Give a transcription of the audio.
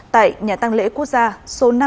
tại nhà tăng lễ quốc gia số năm